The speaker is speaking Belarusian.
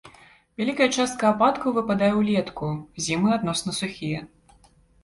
Вялікая частка ападкаў выпадае ўлетку, зімы адносна сухія.